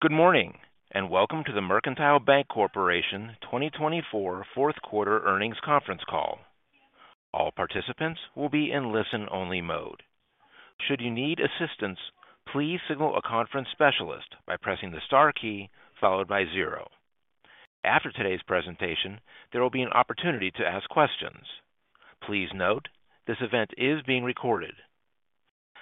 Good morning, and welcome to the Mercantile Bank Corporation 2024 Fourth Quarter Earnings Conference Call. All participants will be in listen-only mode. Should you need assistance, please signal a conference specialist by pressing the star key followed by zero. After today's presentation, there will be an opportunity to ask questions. Please note, this event is being recorded.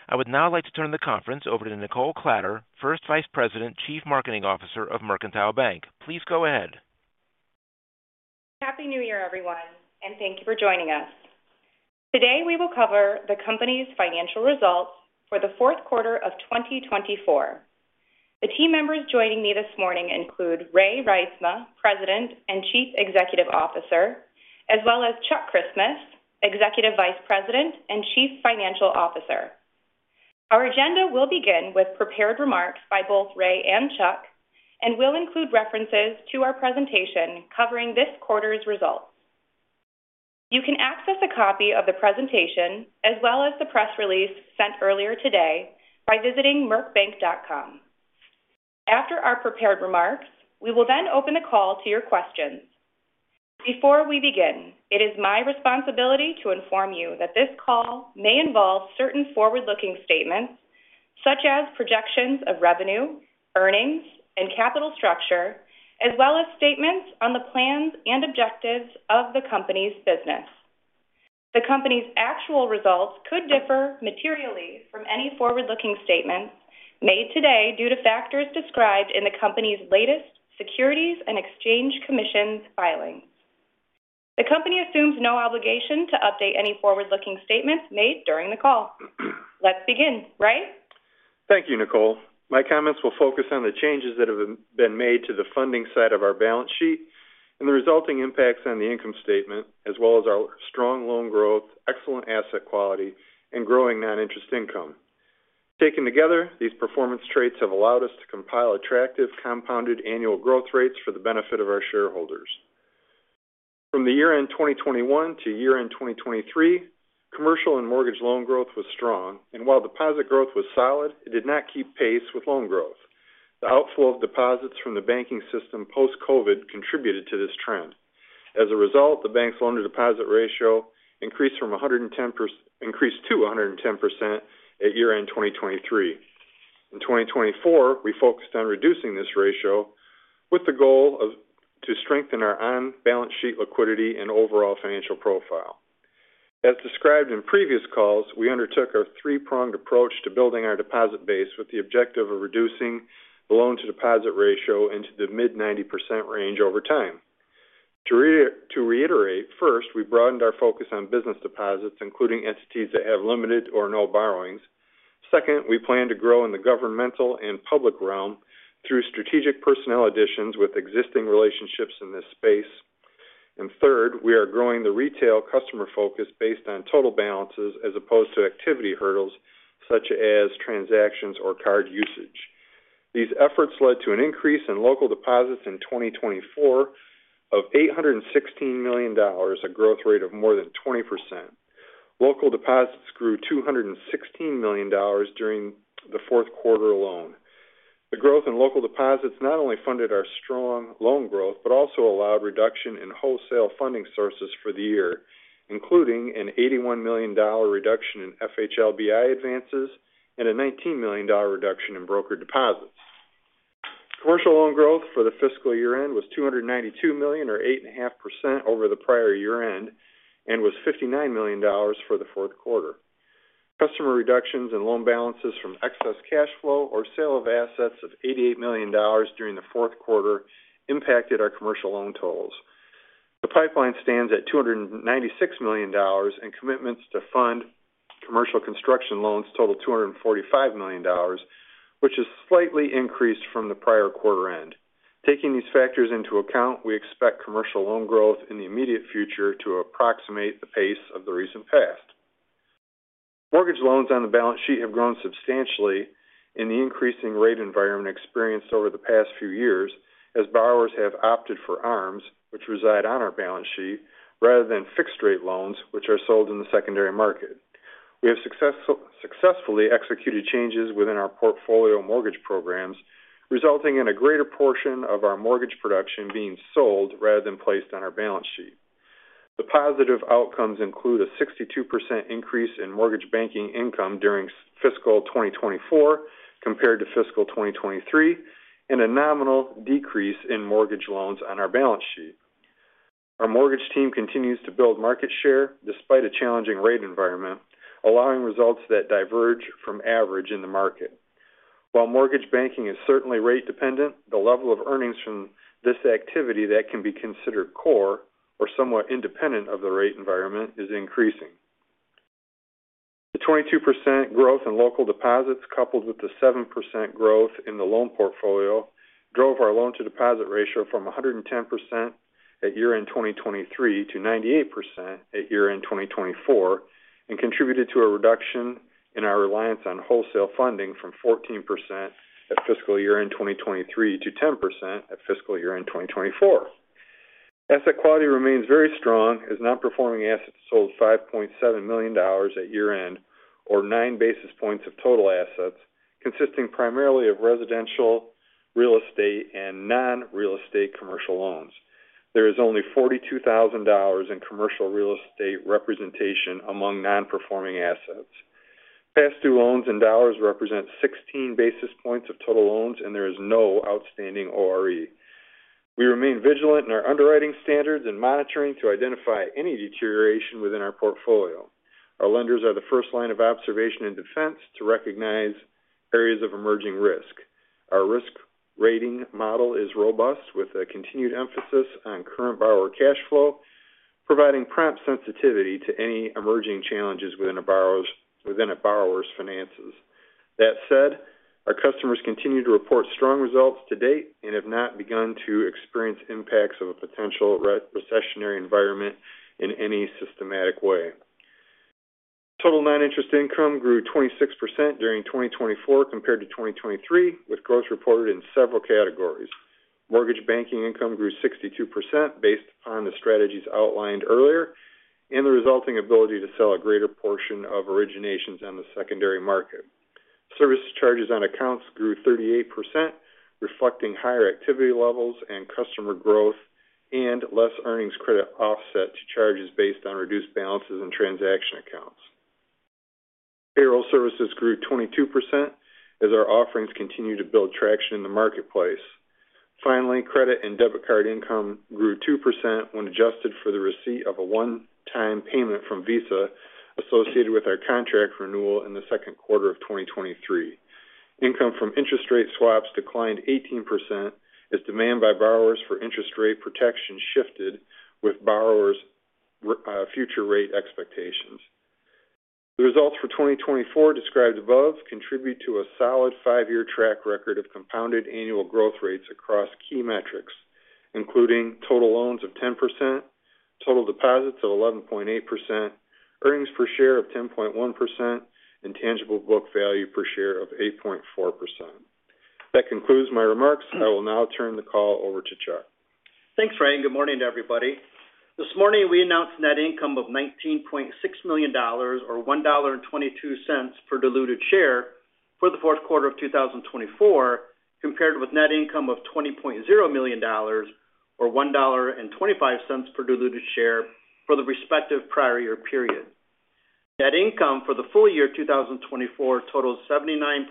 I would now like to turn the conference over to Nicole Kladder, First Vice President, Chief Marketing Officer of Mercantile Bank. Please go ahead. Happy New Year, everyone, and thank you for joining us. Today, we will cover the company's financial results for the fourth quarter of 2024. The team members joining me this morning include Ray Reitsma, President and Chief Executive Officer, as well as Chuck Christmas, Executive Vice President and Chief Financial Officer. Our agenda will begin with prepared remarks by both Ray and Chuck, and we'll include references to our presentation covering this quarter's results. You can access a copy of the presentation as well as the press release sent earlier today by visiting mercbank.com. After our prepared remarks, we will then open the call to your questions. Before we begin, it is my responsibility to inform you that this call may involve certain forward-looking statements, such as projections of revenue, earnings, and capital structure, as well as statements on the plans and objectives of the company's business. The company's actual results could differ materially from any forward-looking statements made today due to factors described in the company's latest Securities and Exchange Commission filings. The company assumes no obligation to update any forward-looking statements made during the call. Let's begin, Ray. Thank you, Nicole. My comments will focus on the changes that have been made to the funding side of our balance sheet and the resulting impacts on the income statement, as well as our strong loan growth, excellent asset quality, and growing non-interest income. Taken together, these performance traits have allowed us to compile attractive compounded annual growth rates for the benefit of our shareholders. From the year-end 2021 to year-end 2023, commercial and mortgage loan growth was strong, and while deposit growth was solid, it did not keep pace with loan growth. The outflow of deposits from the banking system post-COVID contributed to this trend. As a result, the bank's loan-to-deposit ratio increased to 110% at year-end 2023. In 2024, we focused on reducing this ratio with the goal of strengthening our on-balance sheet liquidity and overall financial profile. As described in previous calls, we undertook a three-pronged approach to building our deposit base with the objective of reducing the loan-to-deposit ratio into the mid-90% range over time. To reiterate, first, we broadened our focus on business deposits, including entities that have limited or no borrowings. Second, we plan to grow in the governmental and public realm through strategic personnel additions with existing relationships in this space. And third, we are growing the retail customer focus based on total balances as opposed to activity hurdles such as transactions or card usage. These efforts led to an increase in local deposits in 2024 of $816 million, a growth rate of more than 20%. Local deposits grew $216 million during the fourth quarter alone. The growth in local deposits not only funded our strong loan growth but also allowed a reduction in wholesale funding sources for the year, including an $81 million reduction in FHLBI advances and a $19 million reduction in brokered deposits. Commercial loan growth for the fiscal year-end was $292 million, or 8.5%, over the prior year-end, and was $59 million for the fourth quarter. Customer reductions in loan balances from excess cash flow or sale of assets of $88 million during the fourth quarter impacted our commercial loan totals. The pipeline stands at $296 million, and commitments to fund commercial construction loans total $245 million, which is slightly increased from the prior quarter-end. Taking these factors into account, we expect commercial loan growth in the immediate future to approximate the pace of the recent past. Mortgage loans on the balance sheet have grown substantially in the increasing rate environment experienced over the past few years as borrowers have opted for ARMs, which reside on our balance sheet, rather than fixed-rate loans, which are sold in the secondary market. We have successfully executed changes within our portfolio mortgage programs, resulting in a greater portion of our mortgage production being sold rather than placed on our balance sheet. The positive outcomes include a 62% increase in mortgage banking income during fiscal 2024 compared to fiscal 2023, and a nominal decrease in mortgage loans on our balance sheet. Our mortgage team continues to build market share despite a challenging rate environment, allowing results that diverge from average in the market. While mortgage banking is certainly rate-dependent, the level of earnings from this activity that can be considered core or somewhat independent of the rate environment is increasing. The 22% growth in local deposits, coupled with the 7% growth in the loan portfolio, drove our loan-to-deposit ratio from 110% at year-end 2023 to 98% at year-end 2024 and contributed to a reduction in our reliance on wholesale funding from 14% at fiscal year-end 2023 to 10% at fiscal year-end 2024. Asset quality remains very strong as non-performing assets were $5.7 million at year-end, or nine basis points of total assets, consisting primarily of residential real estate and non-real estate commercial loans. There is only $42,000 in commercial real estate representation among non-performing assets. Past-due loans represent 16 basis points of total loans, and there is no outstanding ORE. We remain vigilant in our underwriting standards and monitoring to identify any deterioration within our portfolio. Our lenders are the first line of observation and defense to recognize areas of emerging risk. Our risk rating model is robust, with a continued emphasis on current borrower cash flow, providing prompt sensitivity to any emerging challenges within a borrower's finances. That said, our customers continue to report strong results to date and have not begun to experience impacts of a potential recessionary environment in any systematic way. Total non-interest income grew 26% during 2024 compared to 2023, with growth reported in several categories. Mortgage banking income grew 62% based upon the strategies outlined earlier and the resulting ability to sell a greater portion of originations on the secondary market. Service charges on accounts grew 38%, reflecting higher activity levels and customer growth and less earnings credit offset to charges based on reduced balances in transaction accounts. Payroll services grew 22% as our offerings continue to build traction in the marketplace. Finally, credit and debit card income grew 2% when adjusted for the receipt of a one-time payment from Visa associated with our contract renewal in the second quarter of 2023. Income from interest rate swaps declined 18% as demand by borrowers for interest rate protection shifted with borrowers' future rate expectations. The results for 2024, described above, contribute to a solid five-year track record of compounded annual growth rates across key metrics, including total loans of 10%, total deposits of 11.8%, earnings per share of 10.1%, and tangible book value per share of 8.4%. That concludes my remarks. I will now turn the call over to Chuck. Thanks, Ray. And good morning to everybody. This morning, we announced net income of $19.6 million, or $1.22 per diluted share, for the fourth quarter of 2024, compared with net income of $20.0 million, or $1.25 per diluted share, for the respective prior year period. Net income for the full year 2024 totaled $79.6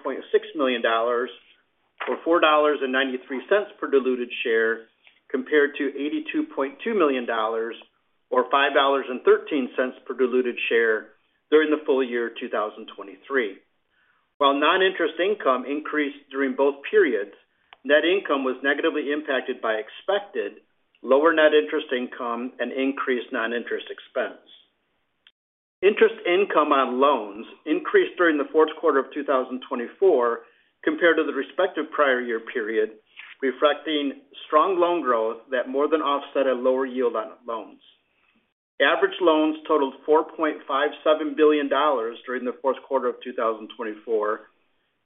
million, or $4.93 per diluted share, compared to $82.2 million, or $5.13 per diluted share during the full year 2023. While non-interest income increased during both periods, net income was negatively impacted by expected lower net interest income and increased non-interest expense. Interest income on loans increased during the fourth quarter of 2024 compared to the respective prior year period, reflecting strong loan growth that more than offset a lower yield on loans. Average loans totaled $4.57 billion during the fourth quarter of 2024,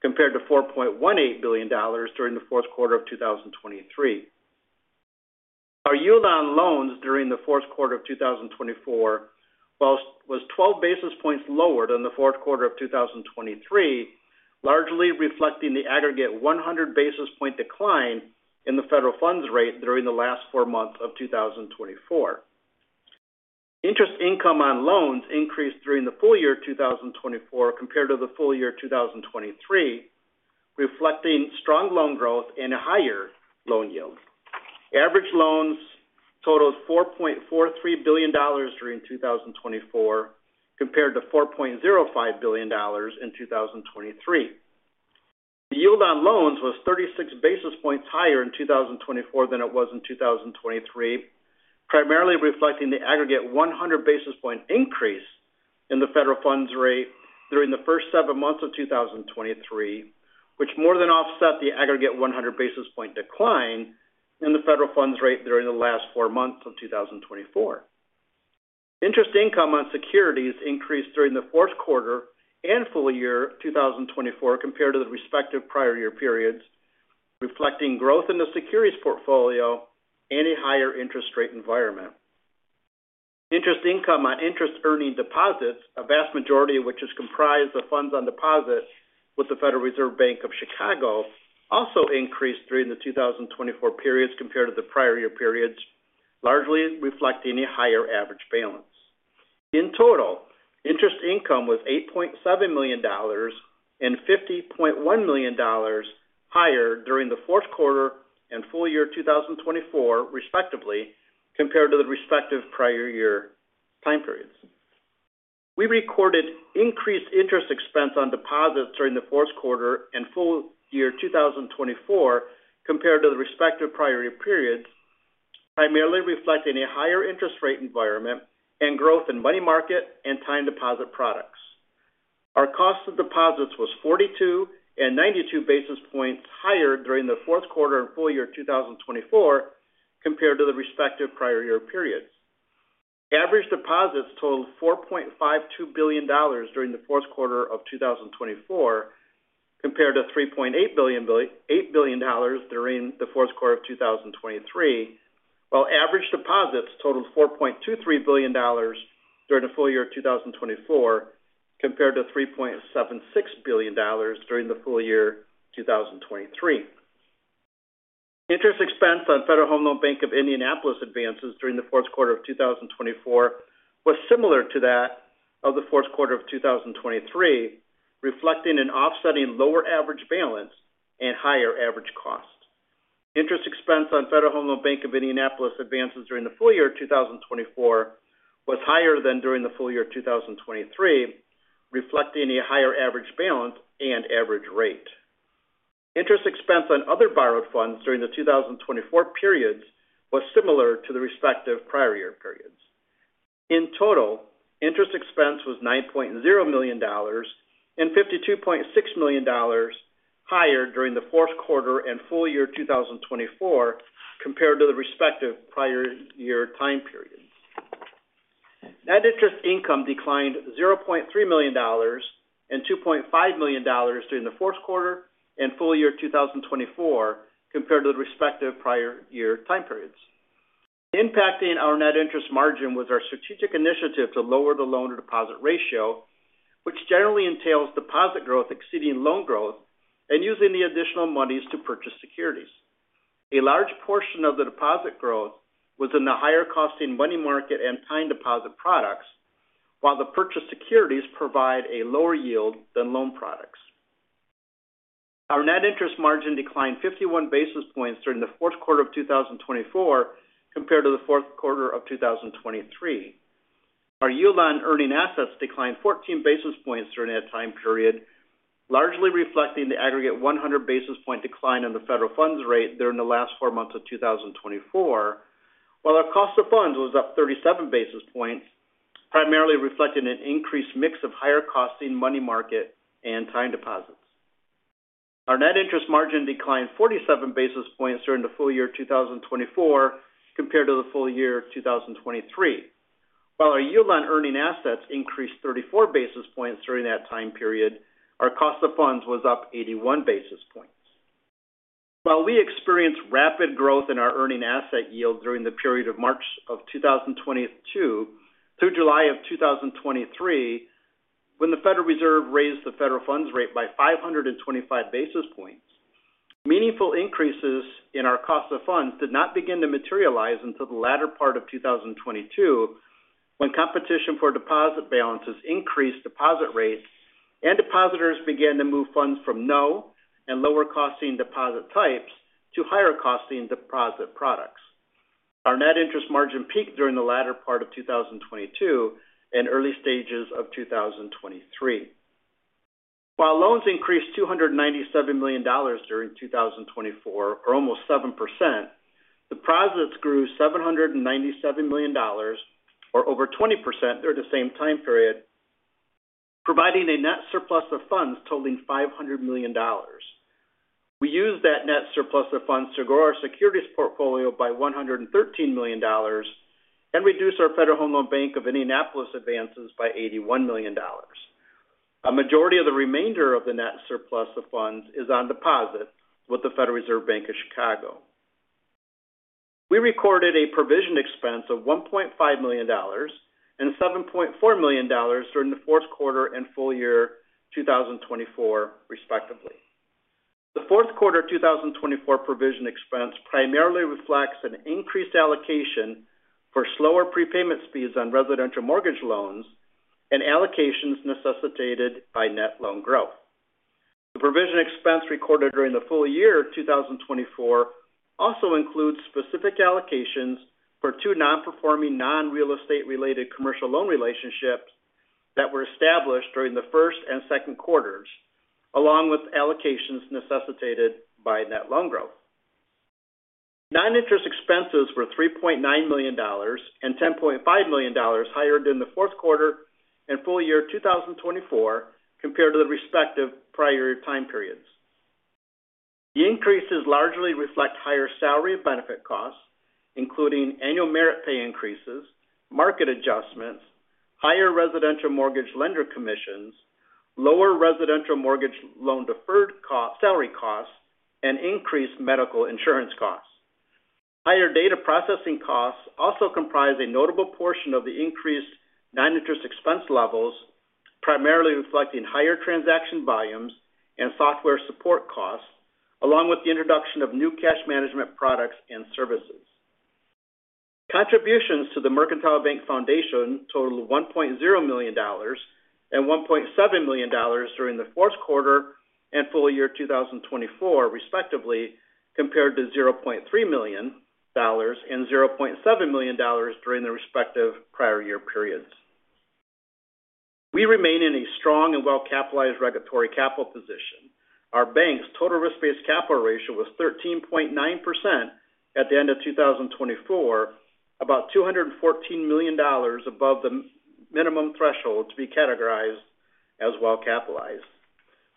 compared to $4.18 billion during the fourth quarter of 2023. Our yield on loans during the fourth quarter of 2024 was 12 basis points lower than the fourth quarter of 2023, largely reflecting the aggregate 100 basis points decline in the Federal Funds Rate during the last four months of 2024. Interest income on loans increased during the full year 2024 compared to the full year 2023, reflecting strong loan growth and a higher loan yield. Average loans totaled $4.43 billion during 2024, compared to $4.05 billion in 2023. The yield on loans was 36 basis points higher in 2024 than it was in 2023, primarily reflecting the aggregate 100 basis points increase in the Federal Funds Rate during the first seven months of 2023, which more than offset the aggregate 100 basis points decline in the Federal Funds Rate during the last four months of 2024. Interest income on securities increased during the fourth quarter and full year 2024 compared to the respective prior year periods, reflecting growth in the securities portfolio and a higher interest rate environment. Interest income on interest-earning deposits, a vast majority of which is comprised of funds on deposit with the Federal Reserve Bank of Chicago, also increased during the 2024 periods compared to the prior year periods, largely reflecting a higher average balance. In total, interest income was $8.7 million and $50.1 million higher during the fourth quarter and full year 2024, respectively, compared to the respective prior year time periods. We recorded increased interest expense on deposits during the fourth quarter and full year 2024 compared to the respective prior year periods, primarily reflecting a higher interest rate environment and growth in money market and time deposit products. Our cost of deposits was 42 and 92 basis points higher during the fourth quarter and full year 2024 compared to the respective prior year periods. Average deposits totaled $4.52 billion during the fourth quarter of 2024 compared to $3.8 billion during the fourth quarter of 2023, while average deposits totaled $4.23 billion during the full year 2024 compared to $3.76 billion during the full year 2023. Interest expense on Federal Home Loan Bank of Indianapolis advances during the fourth quarter of 2024 was similar to that of the fourth quarter of 2023, reflecting an offsetting lower average balance and higher average cost. Interest expense on Federal Home Loan Bank of Indianapolis advances during the full year 2024 was higher than during the full year 2023, reflecting a higher average balance and average rate. Interest expense on other borrowed funds during the 2024 periods was similar to the respective prior year periods. In total, interest expense was $9.0 million and $52.6 million higher during the fourth quarter and full year 2024 compared to the respective prior year time periods. Net interest income declined $0.3 million and $2.5 million during the fourth quarter and full year 2024 compared to the respective prior year time periods. Impacting our net interest margin was our strategic initiative to lower the loan-to-deposit ratio, which generally entails deposit growth exceeding loan growth and using the additional monies to purchase securities. A large portion of the deposit growth was in the higher-costing money market and time deposit products, while the purchased securities provide a lower yield than loan products. Our net interest margin declined 51 basis points during the fourth quarter of 2024 compared to the fourth quarter of 2023. Our yield on earning assets declined 14 basis points during that time period, largely reflecting the aggregate 100 basis point decline in the Federal Funds Rate during the last four months of 2024, while our cost of funds was up 37 basis points, primarily reflecting an increased mix of higher-costing money market and time deposits. Our net interest margin declined 47 basis points during the full year 2024 compared to the full year 2023, while our yield on earning assets increased 34 basis points during that time period. Our cost of funds was up 81 basis points. While we experienced rapid growth in our earning asset yield during the period of March of 2022 through July of 2023, when the Federal Reserve raised the Federal Funds Rate by 525 basis points, meaningful increases in our cost of funds did not begin to materialize until the latter part of 2022, when competition for deposit balances increased deposit rates and depositors began to move funds from non- and lower-cost deposit types to higher-cost deposit products. Our net interest margin peaked during the latter part of 2022 and early stages of 2023. While loans increased $297 million during 2024, or almost 7%, deposits grew $797 million, or over 20% during the same time period, providing a net surplus of funds totaling $500 million. We used that net surplus of funds to grow our securities portfolio by $113 million and reduce our Federal Home Loan Bank of Indianapolis advances by $81 million. A majority of the remainder of the net surplus of funds is on deposit with the Federal Reserve Bank of Chicago. We recorded a provision expense of $1.5 million and $7.4 million during the fourth quarter and full year 2024, respectively. The fourth quarter 2024 provision expense primarily reflects an increased allocation for slower prepayment speeds on residential mortgage loans and allocations necessitated by net loan growth. The provision expense recorded during the full year 2024 also includes specific allocations for two non-performing non-real estate-related commercial loan relationships that were established during the first and second quarters, along with allocations necessitated by net loan growth. Non-interest expenses were $3.9 million and $10.5 million higher than the fourth quarter and full year 2024 compared to the respective prior year time periods. The increases largely reflect higher salary benefit costs, including annual merit pay increases, market adjustments, higher residential mortgage lender commissions, lower residential mortgage loan deferred salary costs, and increased medical insurance costs. Higher data processing costs also comprise a notable portion of the increased non-interest expense levels, primarily reflecting higher transaction volumes and software support costs, along with the introduction of new cash management products and services. Contributions to the Mercantile Bank Foundation totaled $1.0 million and $1.7 million during the fourth quarter and full year 2024, respectively, compared to $0.3 million and $0.7 million during the respective prior year periods. We remain in a strong and well-capitalized regulatory capital position. Our bank's total Risk-Based Capital Ratio was 13.9% at the end of 2024, about $214 million above the minimum threshold to be categorized as well-capitalized.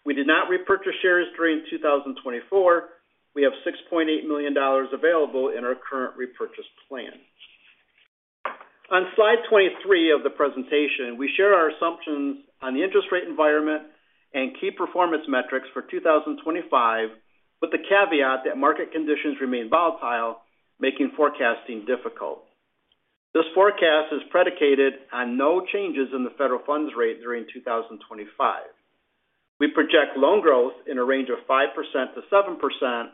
We did not repurchase shares during 2024. We have $6.8 million available in our current repurchase plan. On slide 23 of the presentation, we share our assumptions on the interest rate environment and key performance metrics for 2025, with the caveat that market conditions remain volatile, making forecasting difficult. This forecast is predicated on no changes in the Federal Funds Rate during 2025. We project loan growth in a range of 5%-7%,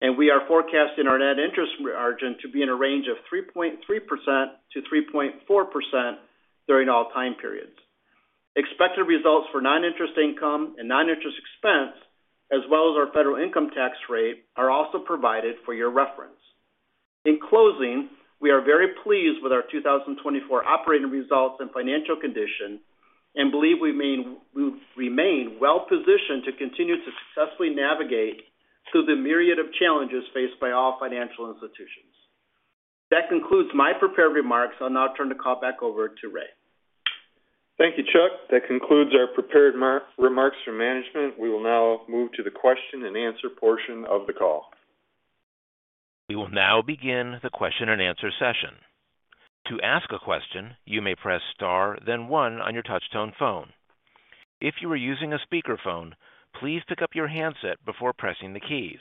and we are forecasting our Net Interest Margin to be in a range of 3.3%-3.4% during all time periods. Expected results for non-interest income and non-interest expense, as well as our federal income tax rate, are also provided for your reference. In closing, we are very pleased with our 2024 operating results and financial condition and believe we remain well-positioned to continue to successfully navigate through the myriad of challenges faced by all financial institutions. That concludes my prepared remarks. I'll now turn the call back over to Ray. Thank you, Chuck. That concludes our prepared remarks from management. We will now move to the question-and-answer portion of the call. We will now begin the question-and-answer session. To ask a question, you may press star, then one on your touch-tone phone. If you are using a speakerphone, please pick up your handset before pressing the keys.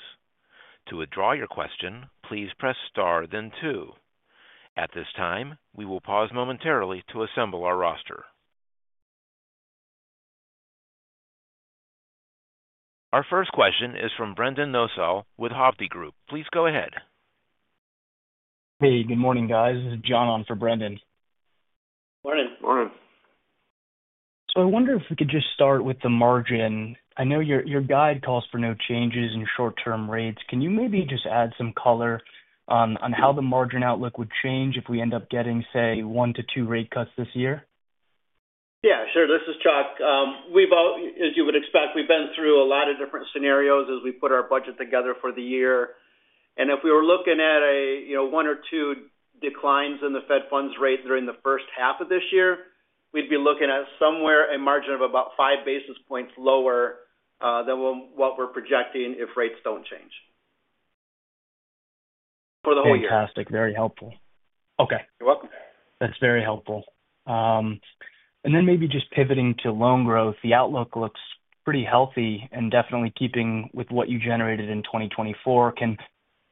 To withdraw your question, please press star, then two. At this time, we will pause momentarily to assemble our roster. Our first question is from Brendan Nosal with Hovde Group. Please go ahead. Hey, good morning, guys. This is John on for Brendan. Morning. Morning. So I wonder if we could just start with the margin. I know your guide calls for no changes in short-term rates. Can you maybe just add some color on how the margin outlook would change if we end up getting, say, one to two rate cuts this year? Yeah, sure. This is Chuck. As you would expect, we've been through a lot of different scenarios as we put our budget together for the year. And if we were looking at one or two declines in the Fed funds rate during the first half of this year, we'd be looking at somewhere a margin of about five basis points lower than what we're projecting if rates don't change for the whole year. Fantastic. Very helpful. Okay. You're welcome. That's very helpful. And then maybe just pivoting to loan growth, the outlook looks pretty healthy and definitely keeping with what you generated in 2024. Can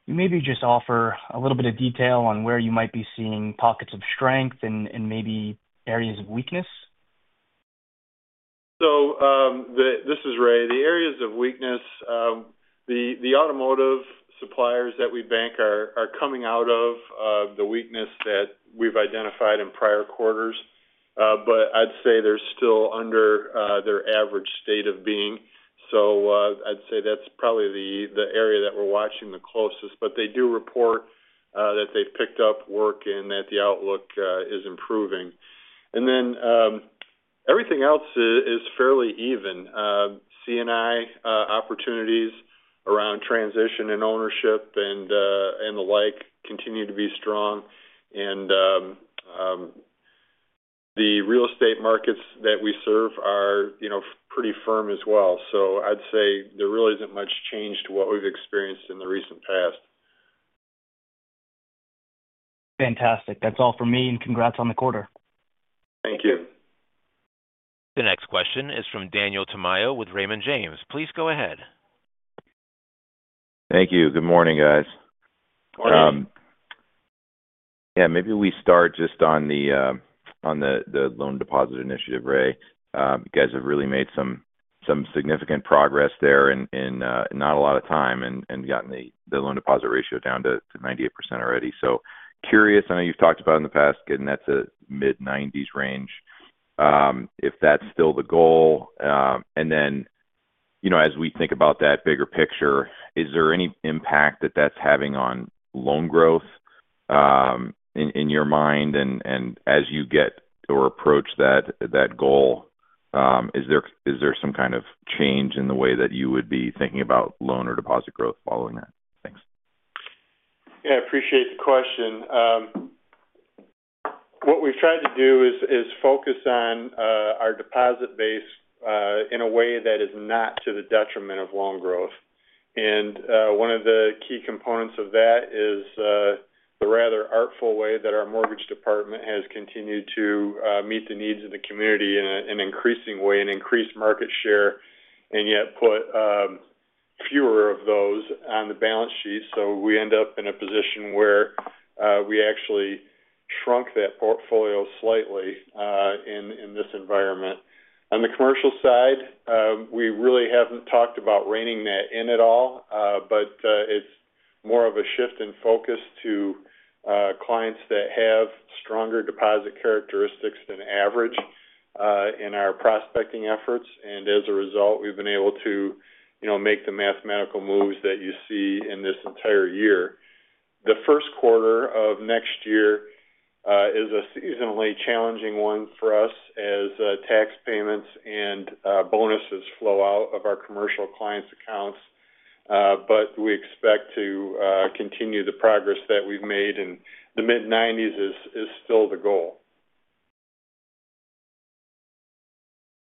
you maybe just offer a little bit of detail on where you might be seeing pockets of strength and maybe areas of weakness? So this is Ray. The areas of weakness, the automotive suppliers that we bank are coming out of the weakness that we've identified in prior quarters, but I'd say they're still under their average state of being. So I'd say that's probably the area that we're watching the closest, but they do report that they've picked up work and that the outlook is improving. And then everything else is fairly even. C&I opportunities around transition and ownership and the like continue to be strong. And the real estate markets that we serve are pretty firm as well. So I'd say there really isn't much change to what we've experienced in the recent past. Fantastic. That's all for me, and congrats on the quarter. Thank you. The next question is from Daniel Tamayo with Raymond James. Please go ahead. Thank you. Good morning, guys. Morning. Yeah, maybe we start just on the loan-to-deposit initiative, Ray. You guys have really made some significant progress there in not a lot of time and gotten the loan-to-deposit ratio down to 98% already. So curious, I know you've talked about in the past getting that to mid-90s range, if that's still the goal. And then as we think about that bigger picture, is there any impact that that's having on loan growth in your mind? As you get or approach that goal, is there some kind of change in the way that you would be thinking about loan or deposit growth following that? Thanks. Yeah, I appreciate the question. What we've tried to do is focus on our deposit base in a way that is not to the detriment of loan growth. One of the key components of that is the rather artful way that our mortgage department has continued to meet the needs of the community in an increasing way and increase market share and yet put fewer of those on the balance sheet. So we end up in a position where we actually shrunk that portfolio slightly in this environment. On the commercial side, we really haven't talked about reining that in at all, but it's more of a shift in focus to clients that have stronger deposit characteristics than average in our prospecting efforts. And as a result, we've been able to make the mathematical moves that you see in this entire year. The first quarter of next year is a seasonally challenging one for us as tax payments and bonuses flow out of our commercial clients' accounts, but we expect to continue the progress that we've made, and the mid-90s is still the goal.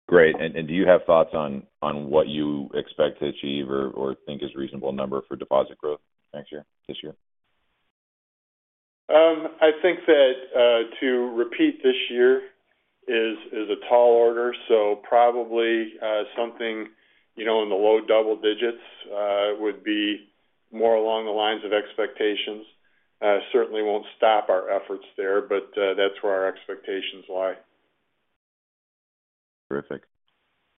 Great. And do you have thoughts on what you expect to achieve or think is a reasonable number for deposit growth next year this year? I think that to repeat this year is a tall order. So probably something in the low double digits would be more along the lines of expectations. Certainly won't stop our efforts there, but that's where our expectations lie. Terrific,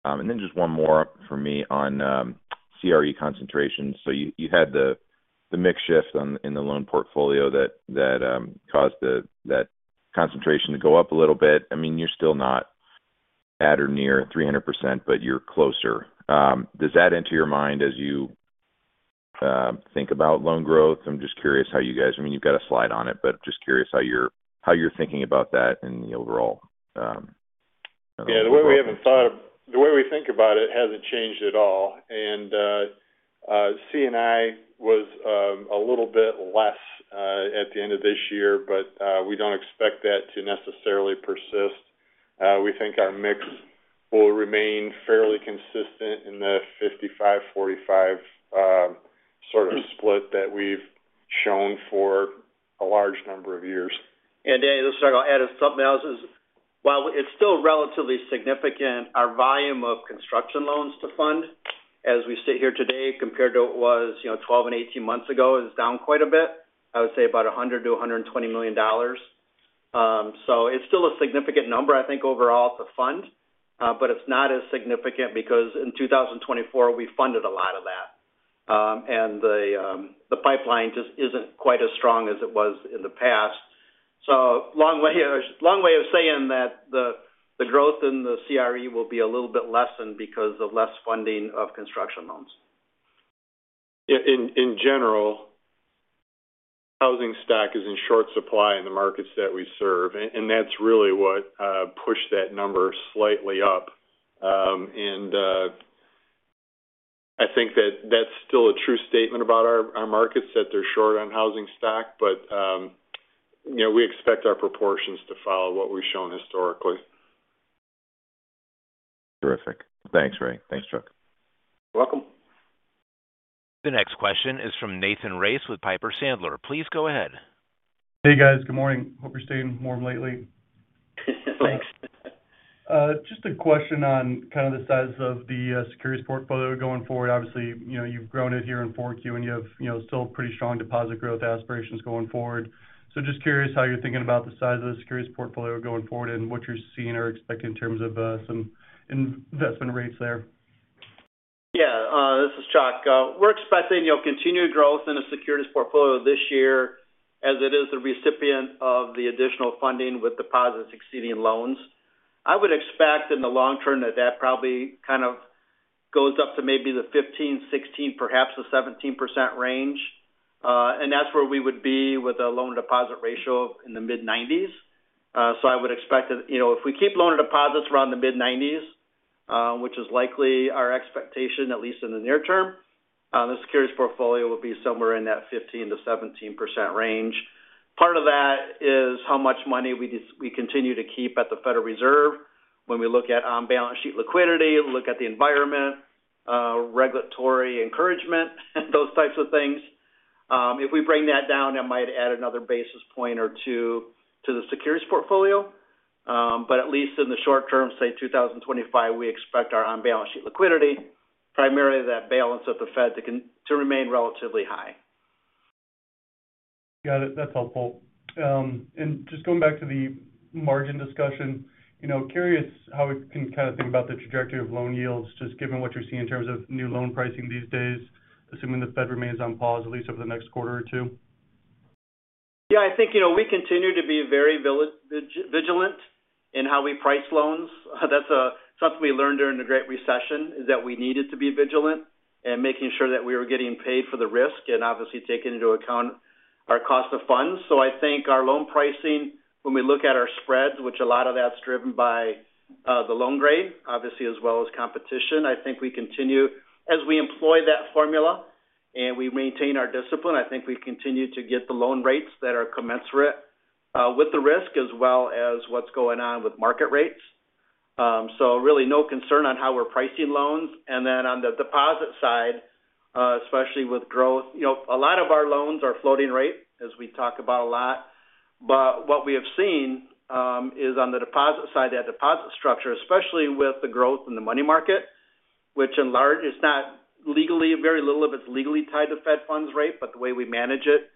and then just one more for me on CRE concentration. So you had the mixed shift in the loan portfolio that caused that concentration to go up a little bit. I mean, you're still not at or near 300%, but you're closer. Does that enter your mind as you think about loan growth? I'm just curious how you guys, I mean, you've got a slide on it, but just curious how you're thinking about that in the overall. Yeah, the way we haven't thought of, the way we think about it hasn't changed at all, and C&I was a little bit less at the end of this year, but we don't expect that to necessarily persist. We think our mix will remain fairly consistent in the 55-45 sort of split that we've shown for a large number of years. Let's talk about added something else. While it's still relatively significant, our volume of construction loans to fund as we sit here today compared to what was 12 and 18 months ago is down quite a bit. I would say about $100 million-$120 million. So it's still a significant number, I think, overall to fund, but it's not as significant because in 2024, we funded a lot of that. And the pipeline just isn't quite as strong as it was in the past. So long way of saying that the growth in the CRE will be a little bit lessened because of less funding of construction loans. Yeah, in general, housing stock is in short supply in the markets that we serve, and that's really what pushed that number slightly up. And I think that that's still a true statement about our markets, that they're short on housing stock, but we expect our proportions to follow what we've shown historically. Terrific. Thanks, Ray. Thanks, Chuck. You're welcome. The next question is from Nathan Race with Piper Sandler. Please go ahead. Hey, guys. Good morning. Hope you're staying warm lately. Thanks. Just a question on kind of the size of the securities portfolio going forward. Obviously, you've grown it here in 4Q, and you have still pretty strong deposit growth aspirations going forward. So just curious how you're thinking about the size of the securities portfolio going forward and what you're seeing or expecting in terms of some investment rates there. Yeah, this is Chuck. We're expecting continued growth in the securities portfolio this year as it is the recipient of the additional funding with deposits exceeding loans. I would expect in the long term that that probably kind of goes up to maybe the 15, 16, perhaps the 17% range, and that's where we would be with a loan deposit ratio in the mid-90s, so I would expect that if we keep loan deposits around the mid-90s, which is likely our expectation, at least in the near term, the securities portfolio will be somewhere in that 15%-17% range. Part of that is how much money we continue to keep at the Federal Reserve when we look at on-balance sheet liquidity, look at the environment, regulatory encouragement, those types of things. If we bring that down, it might add another basis point or two to the securities portfolio, but at least in the short term, say 2025, we expect our on-balance sheet liquidity, primarily that balance at the Fed to remain relatively high. Got it. That's helpful. And just going back to the margin discussion, curious how we can kind of think about the trajectory of loan yields, just given what you're seeing in terms of new loan pricing these days, assuming the Fed remains on pause at least over the next quarter or two? Yeah, I think we continue to be very vigilant in how we price loans. That's something we learned during the Great Recession, is that we needed to be vigilant and making sure that we were getting paid for the risk and obviously taking into account our cost of funds. So, I think our loan pricing, when we look at our spreads, which a lot of that's driven by the loan grade, obviously, as well as competition, I think we continue as we employ that formula and we maintain our discipline, I think we continue to get the loan rates that are commensurate with the risk as well as what's going on with market rates. So really no concern on how we're pricing loans. And then on the deposit side, especially with growth, a lot of our loans are floating rate, as we talk about a lot. But what we have seen is on the deposit side, that deposit structure, especially with the growth in the money market, which, in large part, is not legally tied to the Fed funds rate. Very little of it's legally tied to the Fed funds rate, but the way we manage it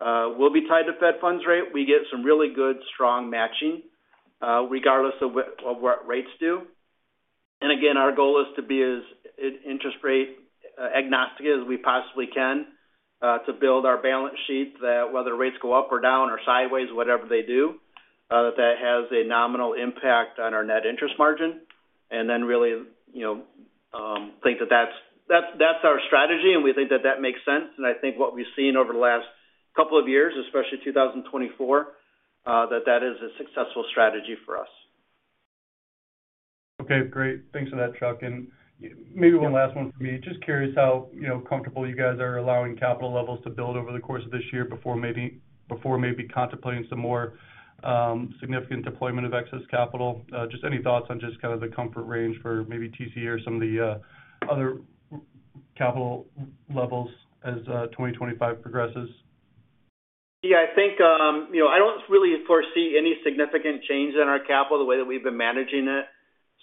will be tied to the Fed funds rate. We get some really good strong matching regardless of what rates do. And again, our goal is to be as interest rate agnostic as we possibly can to build our balance sheet that whether rates go up or down or sideways, whatever they do, that has a nominal impact on our net interest margin. And then really think that that's our strategy and we think that makes sense. And I think what we've seen over the last couple of years, especially 2024, that is a successful strategy for us. Okay. Great. Thanks for that, Chuck. And maybe one last one for me. Just curious how comfortable you guys are allowing capital levels to build over the course of this year before maybe contemplating some more significant deployment of excess capital. Just any thoughts on just kind of the comfort range for maybe TC or some of the other capital levels as 2025 progresses? Yeah, I think I don't really foresee any significant change in our capital the way that we've been managing it.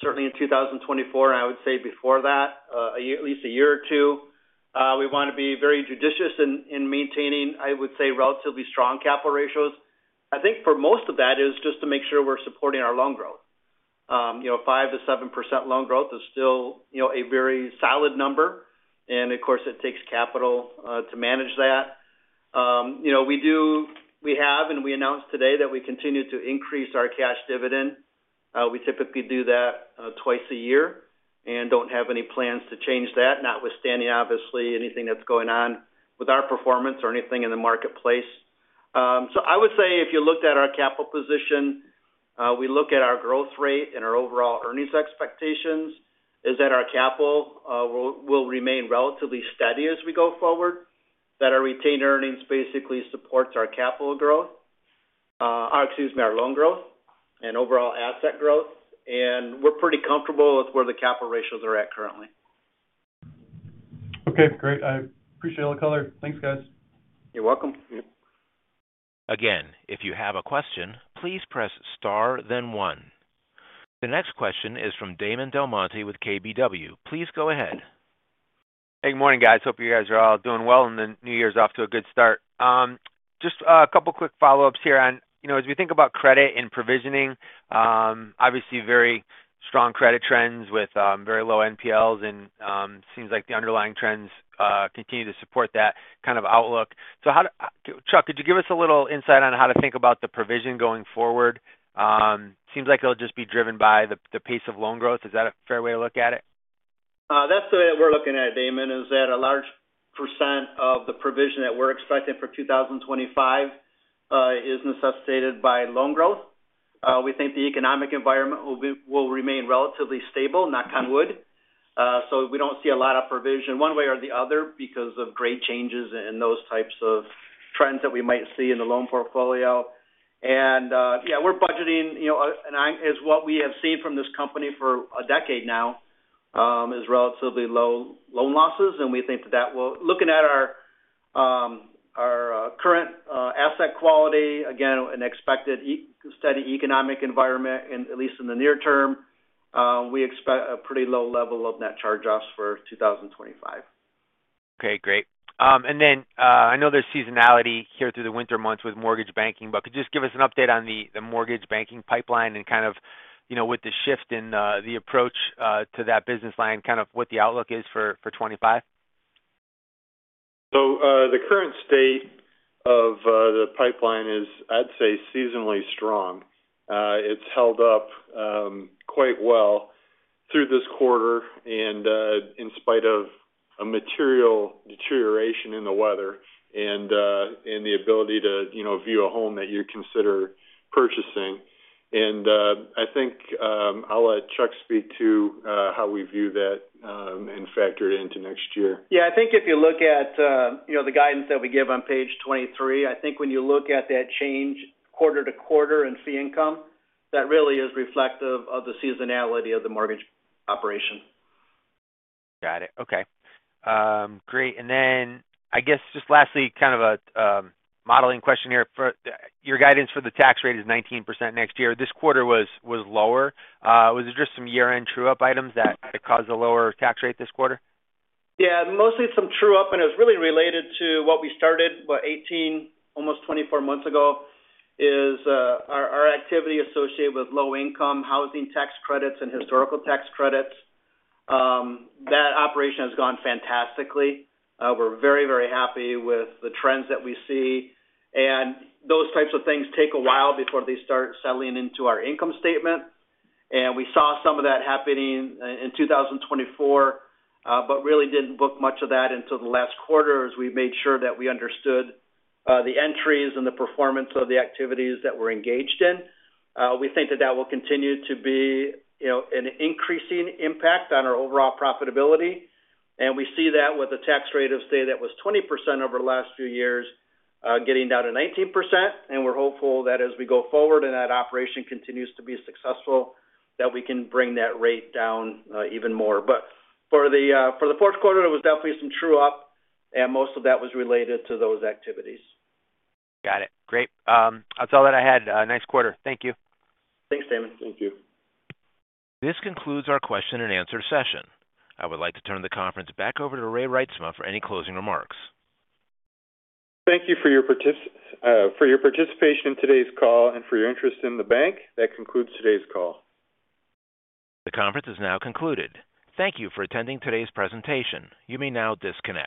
Certainly in 2024, and I would say before that, at least a year or two, we want to be very judicious in maintaining, I would say, relatively strong capital ratios. I think for most of that is just to make sure we're supporting our loan growth. 5%-7% loan growth is still a very solid number. And of course, it takes capital to manage that. We have and we announced today that we continue to increase our cash dividend. We typically do that twice a year and don't have any plans to change that, notwithstanding, obviously, anything that's going on with our performance or anything in the marketplace. So I would say if you looked at our capital position, we look at our growth rate and our overall earnings expectations, is that our capital will remain relatively steady as we go forward, that our retained earnings basically supports our capital growth, excuse me, our loan growth and overall asset growth. And we're pretty comfortable with where the capital ratios are at currently. Okay. Great. I appreciate your color. Thanks, guys. You're welcome. Again, if you have a question, please press star, then one. The next question is from Damon DelMonte with KBW. Please go ahead. Hey, good morning, guys. Hope you guys are all doing well and the New Year's off to a good start. Just a couple of quick follow-ups here on, as we think about credit and provisioning. Obviously very strong credit trends with very low NPLs, and it seems like the underlying trends continue to support that kind of outlook. So Chuck, could you give us a little insight on how to think about the provision going forward? Seems like it'll just be driven by the pace of loan growth. Is that a fair way to look at it? That's the way that we're looking at it, Damon. That is a large percent of the provision that we're expecting for 2025 is necessitated by loan growth. We think the economic environment will remain relatively stable, knock on wood. So we don't see a lot of provision one way or the other because of great changes and those types of trends that we might see in the loan portfolio. Yeah, we're budgeting, and as what we have seen from this company for a decade now is relatively low loan losses. We think that that will looking at our current asset quality, again, an expected steady economic environment, and at least in the near term, we expect a pretty low level of net charge-offs for 2025. Okay. Great. I know there's seasonality here through the winter months with mortgage banking, but could you just give us an update on the mortgage banking pipeline and kind of with the shift in the approach to that business line, kind of what the outlook is for 2025? The current state of the pipeline is, I'd say, seasonally strong. It's held up quite well through this quarter in spite of a material deterioration in the weather and in the ability to view a home that you consider purchasing. And I think I'll let Chuck speak to how we view that and factor it into next year. Yeah, I think if you look at the guidance that we give on page 23, I think when you look at that change quarter to quarter in fee income, that really is reflective of the seasonality of the mortgage operation. Got it. Okay. Great. And then I guess just lastly, kind of a modeling question here. Your guidance for the tax rate is 19% next year. This quarter was lower. Was it just some year-end true-up items that caused a lower tax rate this quarter? Yeah, mostly some true-up, and it was really related to what we started 18, almost 24 months ago, is our activity associated with low-income housing tax credits and historical tax credits. That operation has gone fantastically. We're very, very happy with the trends that we see. Those types of things take a while before they start settling into our income statement. And we saw some of that happening in 2024, but really didn't book much of that until the last quarter as we made sure that we understood the entries and the performance of the activities that we're engaged in. We think that that will continue to be an increasing impact on our overall profitability. And we see that with a tax rate of, say, that was 20% over the last few years getting down to 19%. And we're hopeful that as we go forward and that operation continues to be successful, that we can bring that rate down even more. But for the fourth quarter, there was definitely some true-up, and most of that was related to those activities. Got it. Great. That's all that I had. Nice quarter. Thank you. Thanks, Damon. Thank you. This concludes our question-and-answer session. I would like to turn the conference back over to Ray Reitsma for any closing remarks. Thank you for your participation in today's call and for your interest in the bank. That concludes today's call. The conference is now concluded. Thank you for attending today's presentation. You may now disconnect.